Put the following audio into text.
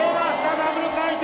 ダブル回転！